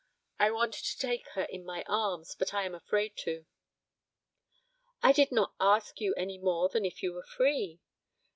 I want to take her in my arms, but I am afraid to. 'I did not ask you any more than if you were free!'